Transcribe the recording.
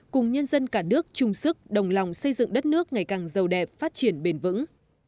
cùng nhân dân cả nước chung sức đồng lòng xây dựng đất nước ngày càng giàu đẹp phát triển bền vững